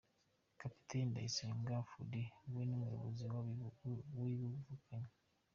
Kapiteni Ndayisenga Fuadi we ni umuyobozi wabivukanye.